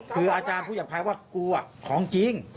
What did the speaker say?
คืออาจารย์พูดอย่างภายว่ากลัวของจริง